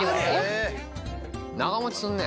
長持ちすんね